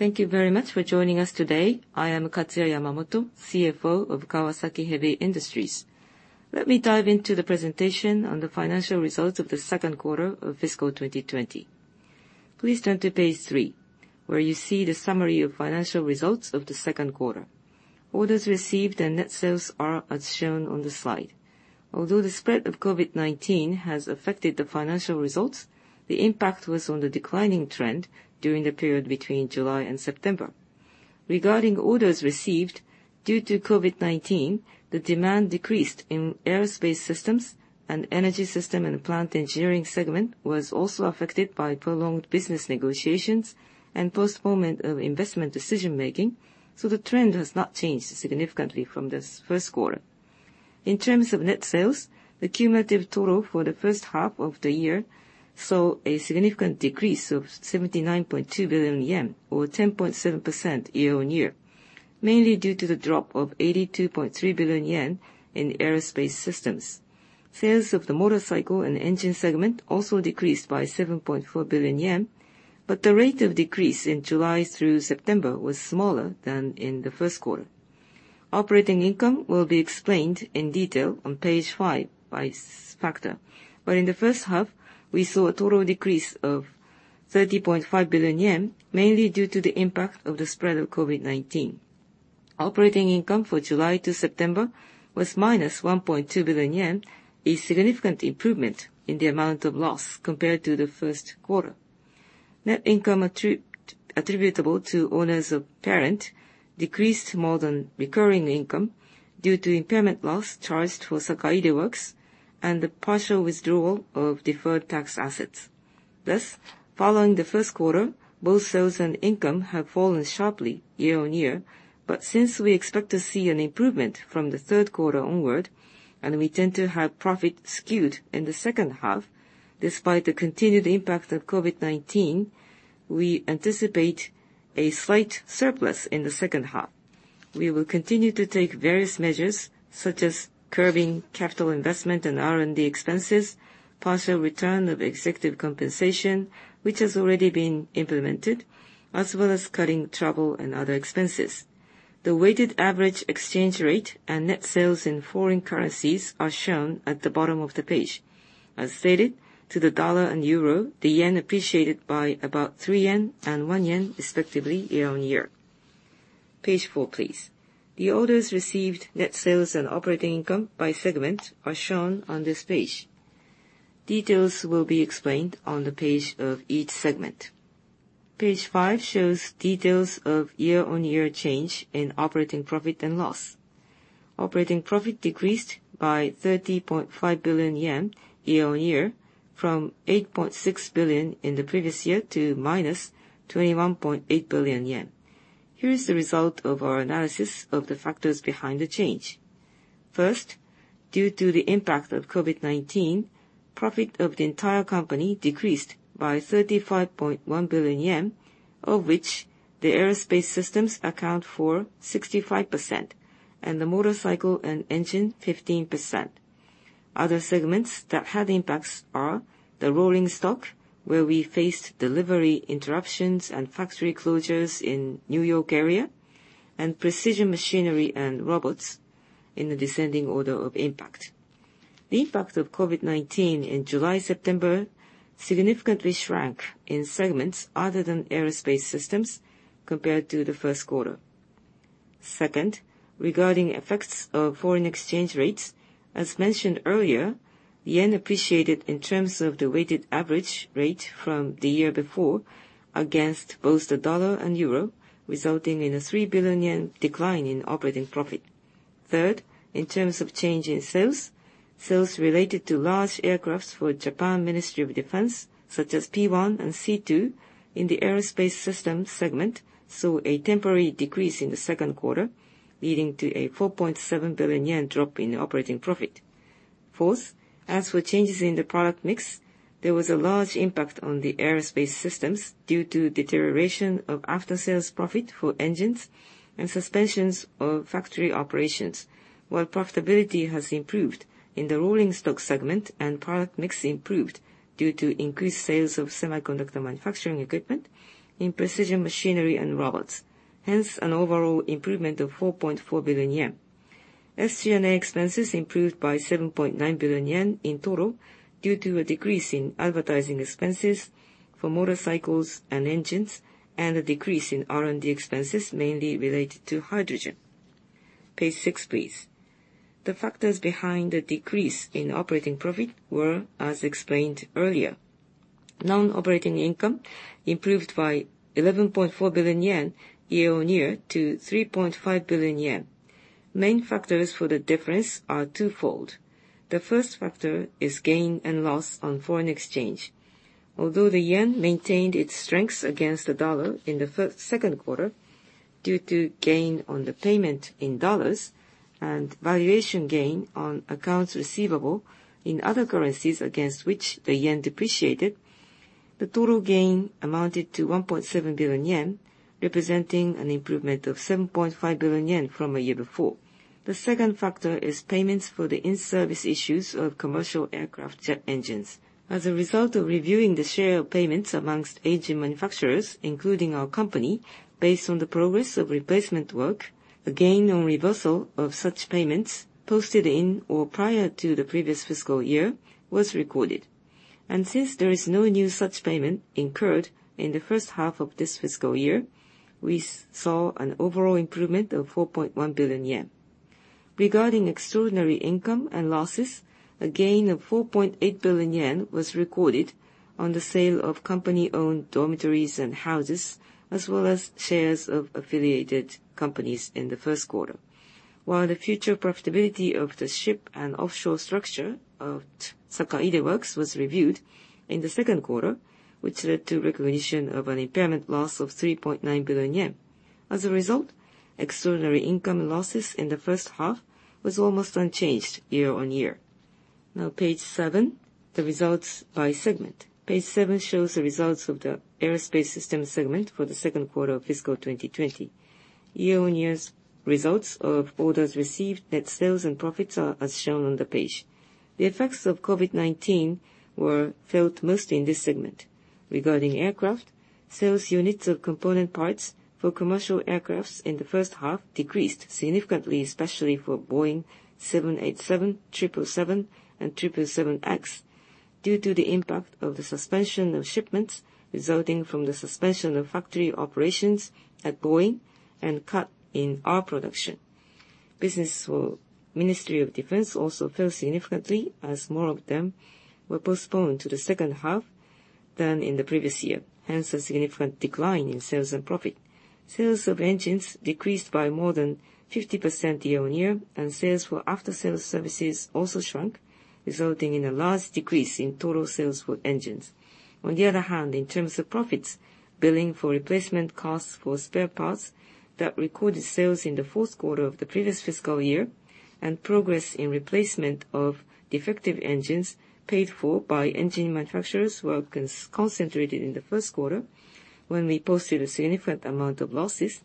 Thank you very much for joining us today. I am Katsuya Yamamoto, CFO of Kawasaki Heavy Industries. Let me dive into the presentation on the financial results of the second quarter of fiscal 2020. Please turn to page three, where you see the summary of financial results of the second quarter. Orders received and net sales are as shown on the slide. Although the spread of COVID-19 has affected the financial results, the impact was on the declining trend during the period between July and September. Regarding orders received, due to COVID-19, the demand decreased in Aerospace Systems, and Energy Solution & Marine Engineering segment was also affected by prolonged business negotiations and postponement of investment decision-making, so the trend has not changed significantly from the first quarter. In terms of net sales, the cumulative total for the first half of the year saw a significant decrease of 79.2 billion yen, or 10.7% year-on-year, mainly due to the drop of 82.3 billion yen in Aerospace Systems. Sales of the Motorcycle & Engine segment also decreased by 7.4 billion yen. The rate of decrease in July through September was smaller than in the first quarter. Operating income will be explained in detail on page five by factor. In the first half, we saw a total decrease of 30.5 billion yen, mainly due to the impact of the spread of COVID-19. Operating income for July to September was -1.2 billion yen, a significant improvement in the amount of loss compared to the first quarter. Net income attributable to owners of parent decreased more than recurring income due to impairment loss charged for Sakaide Works and the partial withdrawal of deferred tax assets. Thus, following the first quarter, both sales and income have fallen sharply year-on-year. Since we expect to see an improvement from the third quarter onward, and we tend to have profit skewed in the second half, despite the continued impact of COVID-19, we anticipate a slight surplus in the second half. We will continue to take various measures, such as curbing capital investment and R&D expenses, partial return of executive compensation, which has already been implemented, as well as cutting travel and other expenses. The weighted average exchange rate and net sales in foreign currencies are shown at the bottom of the page. As stated, to the dollar and euro, the JPY appreciated by about 3 yen and 1 yen respectively year-on-year. Page four, please. The orders received, net sales, and operating income by segment are shown on this page. Details will be explained on the page of each segment. Page five shows details of year-on-year change in operating profit and loss. Operating profit decreased by 30.5 billion yen year-on-year from 8.6 billion in the previous year to -21.8 billion yen. Here is the result of our analysis of the factors behind the change. First, due to the impact of COVID-19, profit of the entire company decreased by 35.1 billion yen, of which the Aerospace Systems account for 65% and the Motorcycle & Engine 15%. Other segments that had impacts are the Rolling Stock, where we faced delivery interruptions and factory closures in New York area, and Precision Machinery & Robot in the descending order of impact. The impact of COVID-19 in July-September significantly shrank in segments other than Aerospace Systems compared to the first quarter. Second, regarding effects of foreign exchange rates, as mentioned earlier, yen appreciated in terms of the weighted average rate from the year before against both the dollar and euro, resulting in a 3 billion yen decline in operating profit. Third, in terms of change in sales related to large aircraft for Japan Ministry of Defense, such as P-1 and C-2 in the Aerospace Systems segment, saw a temporary decrease in the second quarter, leading to a 4.7 billion yen drop in operating profit. Fourth, as for changes in the product mix, there was a large impact on the Aerospace Systems due to deterioration of after-sales profit for engines and suspensions of factory operations. While profitability has improved in the Rolling Stock segment and product mix improved due to increased sales of semiconductor manufacturing equipment in Precision Machinery & Robot. Hence, an overall improvement of 4.4 billion yen. SG&A expenses improved by 7.9 billion yen in total due to a decrease in advertising expenses for motorcycles and engines, and a decrease in R&D expenses mainly related to hydrogen. Page six, please. The factors behind the decrease in operating profit were as explained earlier. Non-operating income improved by 11.4 billion yen year-on-year to 3.5 billion yen. Main factors for the difference are twofold. The first factor is gain and loss on foreign exchange. Although the JPY maintained its strengths against the USD in the second quarter due to gain on the payment in USD and valuation gain on accounts receivable in other currencies against which the JPY depreciated, the total gain amounted to 1.7 billion yen, representing an improvement of 7.5 billion yen from a year before. The second factor is payments for the in-service issues of commercial aircraft jet engines. As a result of reviewing the share of payments amongst engine manufacturers, including our company, based on the progress of replacement work, a gain on reversal of such payments posted in or prior to the previous fiscal year was recorded. Since there is no new such payment incurred in the first half of this fiscal year, we saw an overall improvement of 4.1 billion yen. Regarding extraordinary income and losses, a gain of 4.8 billion yen was recorded on the sale of company-owned dormitories and houses, as well as shares of affiliated companies in the first quarter. While the future profitability of the Ship & Offshore Structure of Sakaide Works was reviewed in the second quarter, which led to recognition of an impairment loss of 3.9 billion yen. As a result, extraordinary income losses in the first half was almost unchanged year-on-year. Now, page seven, the results by segment. Page seven shows the results of the Aerospace Systems segment for the second quarter of fiscal 2020. Year-on-year results of orders received, net sales and profits are as shown on the page. The effects of COVID-19 were felt mostly in this segment. Regarding aircraft, sales units of component parts for commercial aircraft in the first half decreased significantly, especially for Boeing 787, 777, and 777X, due to the impact of the suspension of shipments resulting from the suspension of factory operations at Boeing and cut in our production. Business for Ministry of Defense also fell significantly as more of them were postponed to the second half than in the previous year, hence a significant decline in sales and profit. Sales of engines decreased by more than 50% year-on-year, and sales for after-sales services also shrunk, resulting in a large decrease in total sales for engines. On the other hand, in terms of profits, billing for replacement costs for spare parts that recorded sales in the fourth quarter of the previous fiscal year, and progress in replacement of defective engines paid for by engine manufacturers were concentrated in the first quarter, when we posted a significant amount of losses.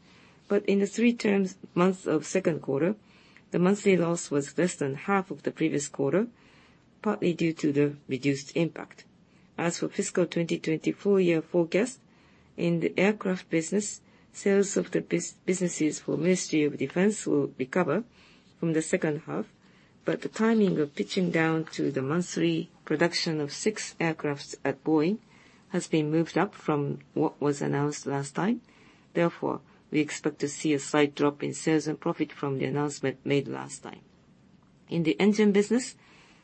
In the three-month term of second quarter, the monthly loss was less than half of the previous quarter, partly due to the reduced impact. As for fiscal 2020 full year forecast, in the aircraft business, sales of the businesses for Ministry of Defense will recover from the second half, but the timing of stepping down to the monthly production of six aircrafts at Boeing has been moved up from what was announced last time. Therefore, we expect to see a slight drop in sales and profit from the announcement made last time. In the engine business,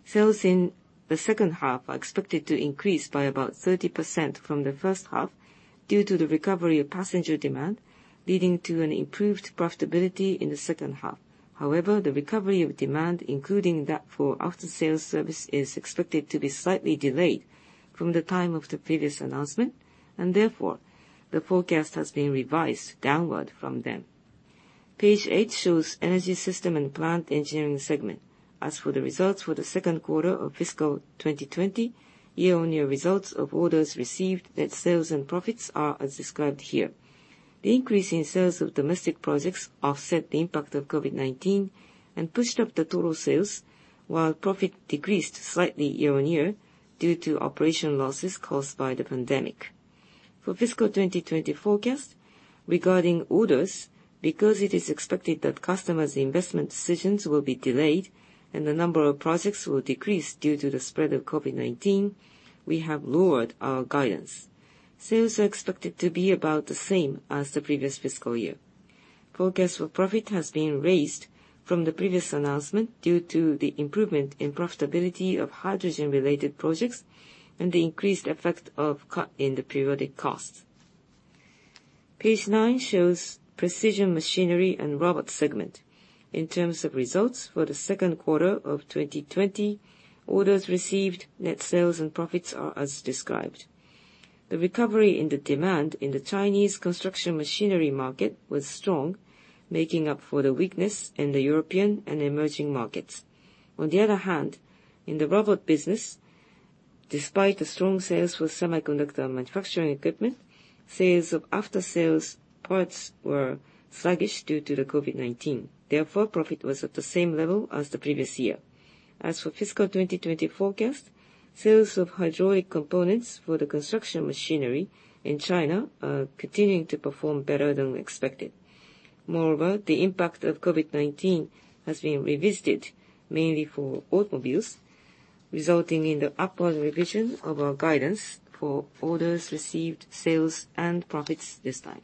sales in the second half are expected to increase by about 30% from the first half due to the recovery of passenger demand, leading to an improved profitability in the second half. However, the recovery of demand, including that for after-sales service, is expected to be slightly delayed from the time of the previous announcement, and therefore, the forecast has been revised downward from then. Page eight shows Energy Solution & Marine Engineering segment. As for the results for the second quarter of fiscal 2020, year-on-year results of orders received, net sales and profits are as described here. The increase in sales of domestic projects offset the impact of COVID-19 and pushed up the total sales, while profit decreased slightly year-on-year due to operation losses caused by the pandemic. For fiscal 2020 forecast, regarding orders, because it is expected that customers' investment decisions will be delayed and the number of projects will decrease due to the spread of COVID-19, we have lowered our guidance. Sales are expected to be about the same as the previous fiscal year. Forecast for profit has been raised from the previous announcement due to the improvement in profitability of hydrogen-related projects and the increased effect of cut in the periodic costs. Page nine shows Precision Machinery & Robot segment. In terms of results for the second quarter of 2020, orders received, net sales and profits are as described. The recovery in the demand in the Chinese construction machinery market was strong, making up for the weakness in the European and emerging markets. In the robot business, despite the strong sales for semiconductor manufacturing equipment, sales of after-sales parts were sluggish due to the COVID-19. Profit was at the same level as the previous year. As for fiscal 2020 forecast, sales of hydraulic components for the construction machinery in China are continuing to perform better than expected. The impact of COVID-19 has been revisited mainly for automobiles, resulting in the upward revision of our guidance for orders received, sales, and profits this time.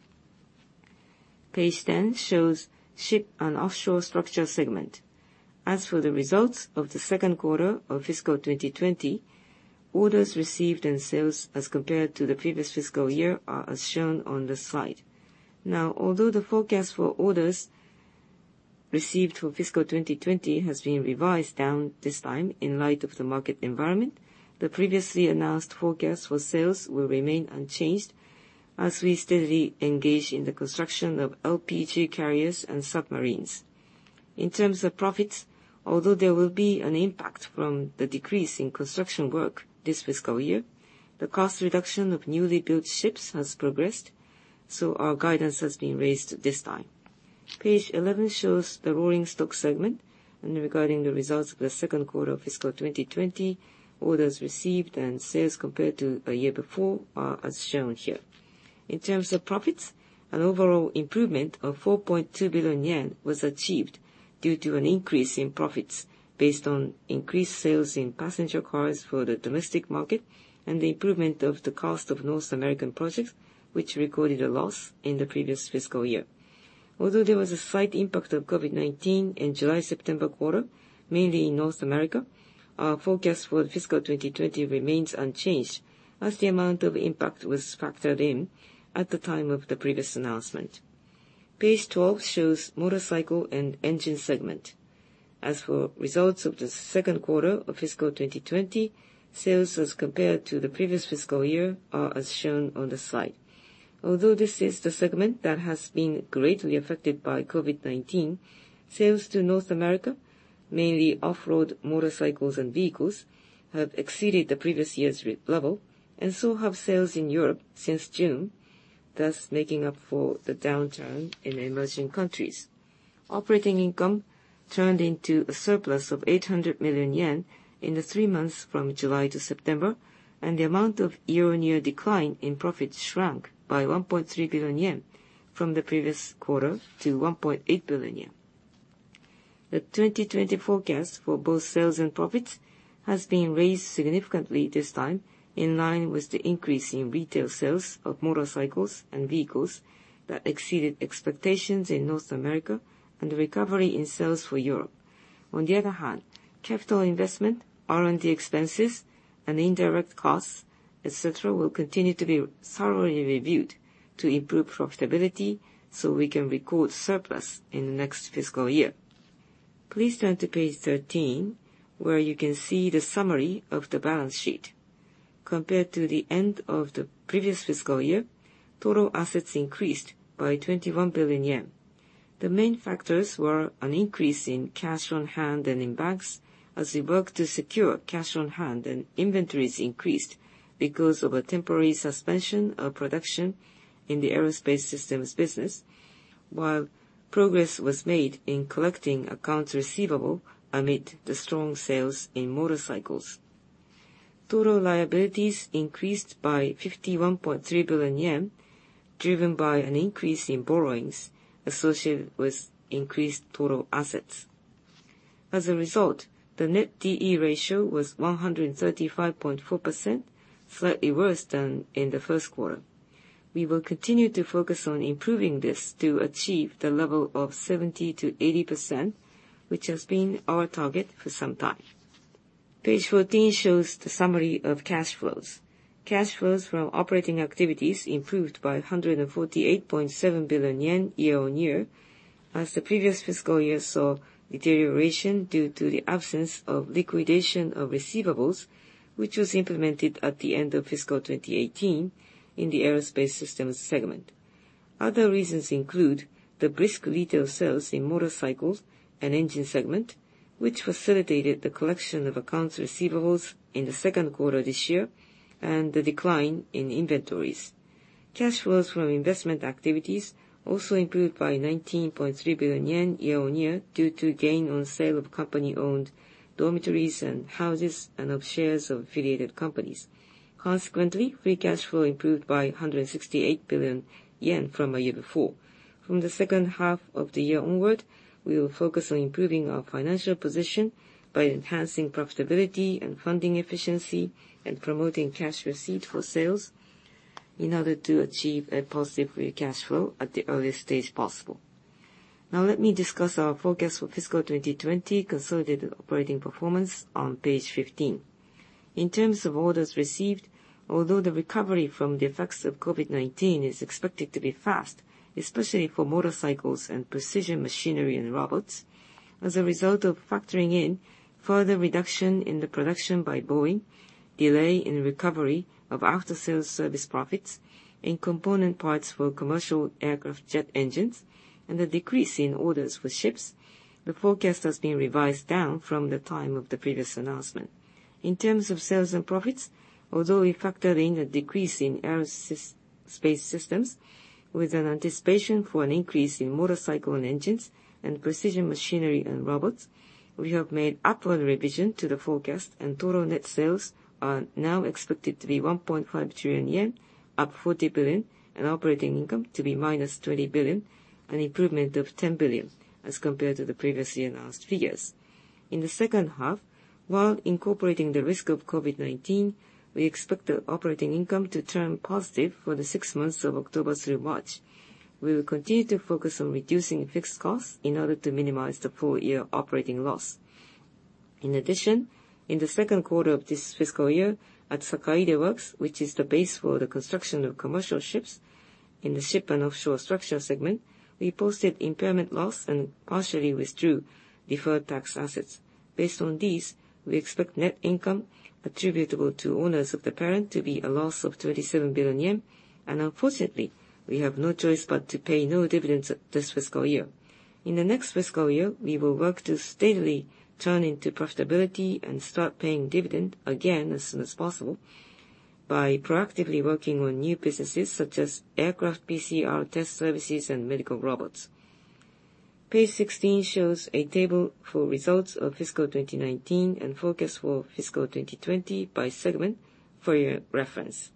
Page 10 shows Ship & Offshore Structure segment. As for the results of the second quarter of fiscal 2020, orders received and sales as compared to the previous fiscal year are as shown on the slide. Although the forecast for orders received for fiscal 2020 has been revised down this time in light of the market environment, the previously announced forecast for sales will remain unchanged as we steadily engage in the construction of LPG carriers and submarines. In terms of profits, although there will be an impact from the decrease in construction work this fiscal year, the cost reduction of newly built ships has progressed, so our guidance has been raised at this time. Page 11 shows the Rolling Stock segment and regarding the results of the second quarter of fiscal 2020, orders received and sales compared to a year before are as shown here. In terms of profits, an overall improvement of 4.2 billion yen was achieved due to an increase in profits based on increased sales in passenger cars for the domestic market and the improvement of the cost of North American projects, which recorded a loss in the previous fiscal year. Although there was a slight impact of COVID-19 in July-September quarter, mainly in North America, our forecast for the fiscal 2020 remains unchanged as the amount of impact was factored in at the time of the previous announcement. Page 12 shows Motorcycle & Engine segment. As for results of the second quarter of fiscal 2020, sales as compared to the previous fiscal year are as shown on the slide. Although this is the segment that has been greatly affected by COVID-19, sales to North America, mainly off-road motorcycles and vehicles, have exceeded the previous year's level and so have sales in Europe since June, thus making up for the downturn in emerging countries. Operating income turned into a surplus of 800 million yen in the three months from July to September, and the amount of year-on-year decline in profits shrank by 1.3 billion yen from the previous quarter to 1.8 billion yen. The 2020 forecast for both sales and profits has been raised significantly this time in line with the increase in retail sales of motorcycles and vehicles that exceeded expectations in North America and a recovery in sales for Europe. On the other hand, capital investment, R&D expenses, and indirect costs, et cetera, will continue to be thoroughly reviewed to improve profitability so we can record surplus in the next fiscal year. Please turn to page 13, where you can see the summary of the balance sheet. Compared to the end of the previous fiscal year, total assets increased by 21 billion yen. The main factors were an increase in cash on hand and in banks as we work to secure cash on hand and inventories increased because of a temporary suspension of production in the Aerospace Systems business, while progress was made in collecting accounts receivable amid the strong sales in motorcycles. Total liabilities increased by 51.3 billion yen, driven by an increase in borrowings associated with increased total assets. As a result, the net D/E ratio was 135.4%, slightly worse than in the first quarter. We will continue to focus on improving this to achieve the level of 70%-80%, which has been our target for some time. Page 14 shows the summary of cash flows. Cash flows from operating activities improved by 148.7 billion yen year-on-year as the previous fiscal year saw deterioration due to the absence of liquidation of receivables, which was implemented at the end of fiscal 2018 in the Aerospace Systems segment. Other reasons include the brisk retail sales in Motorcycle & Engine segment, which facilitated the collection of accounts receivables in the second quarter this year and the decline in inventories. Cash flows from investment activities also improved by 19.3 billion yen year-on-year due to gain on sale of company-owned dormitories and houses and of shares of affiliated companies. Consequently, free cash flow improved by 168 billion yen from a year before. From the second half of the year onward, we will focus on improving our financial position by enhancing profitability and funding efficiency and promoting cash receipt for sales in order to achieve a positive free cash flow at the earliest date possible. Now let me discuss our forecast for fiscal 2020 consolidated operating performance on page 15. In terms of orders received, although the recovery from the effects of COVID-19 is expected to be fast, especially for Motorcycles and Precision Machinery & Robot, as a result of factoring in further reduction in the production by Boeing, delay in recovery of after-sales service profits in component parts for commercial aircraft jet engines, and a decrease in orders for ships, the forecast has been revised down from the time of the previous announcement. In terms of sales and profits, although we factored in a decrease in Aerospace Systems with an anticipation for an increase in Motorcycle & Engine and Precision Machinery & Robot, we have made upward revision to the forecast, and total net sales are now expected to be 1.5 trillion yen, up 40 billion, and operating income to be -20 billion, an improvement of 10 billion as compared to the previously announced figures. In the second half, while incorporating the risk of COVID-19, we expect the operating income to turn positive for the six months of October through March. We will continue to focus on reducing fixed costs in order to minimize the full-year operating loss. In the second quarter of this fiscal year at Sakaide Works, which is the base for the construction of commercial ships in the Ship & Offshore Structure segment, we posted impairment loss and partially withdrew deferred tax assets. Based on these, we expect net income attributable to owners of the parent to be a loss of 27 billion yen, unfortunately, we have no choice but to pay no dividends this fiscal year. In the next fiscal year, we will work to steadily turn into profitability and start paying dividend again as soon as possible by proactively working on new businesses such as aircraft PCR test services and medical robots. Page 16 shows a table for results of fiscal 2019 and forecast for fiscal 2020 by segment for your reference.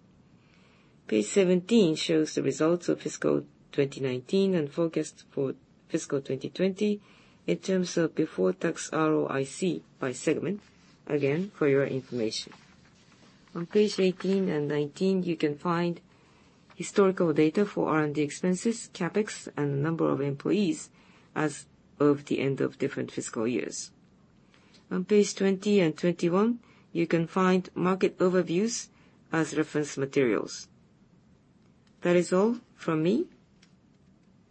Page 17 shows the results of fiscal 2019 and forecast for fiscal 2020 in terms of before-tax ROIC by segment, again, for your information. On page 18 and 19, you can find historical data for R&D expenses, CapEx, and number of employees as of the end of different fiscal years. On page 20 and 21, you can find market overviews as reference materials. That is all from me.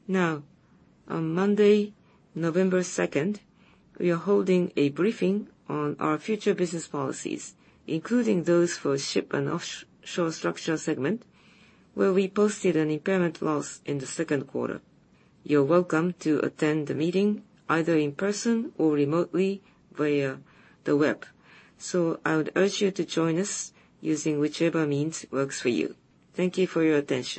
On Monday, November 2nd, we are holding a briefing on our future business policies, including those for Ship & Offshore Structure segment, where we posted an impairment loss in the second quarter. You're welcome to attend the meeting either in person or remotely via the web. I would urge you to join us using whichever means works for you. Thank you for your attention.